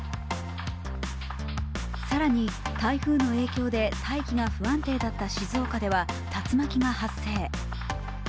更に台風の影響で大気が不安定だった静岡では竜巻が発生。